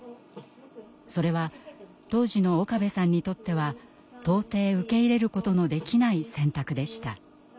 それは当時の岡部さんにとっては到底受け入れることのできない選択でした。